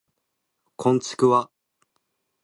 こんちくわ